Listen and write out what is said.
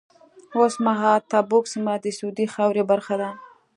اوس مهال تبوک سیمه د سعودي خاورې برخه ده.